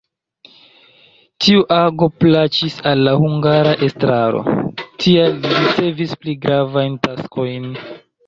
Tiu ago plaĉis al la hungara estraro, tial li ricevis pli gravajn taskojn.